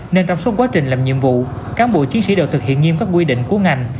nên trong suốt quá trình làm nhiệm vụ cán bộ chiến sĩ đều thực hiện nghiêm các quy định của ngành